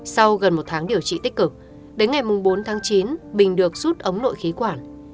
sau gần một tháng điều trị tích cực đến ngày bốn tháng chín bình được rút ống nội khí quản